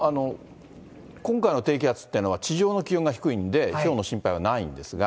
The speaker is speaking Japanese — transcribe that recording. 今回の低気圧っていうのは、地上の気温が低いんで、ひょうの心配はないんですが。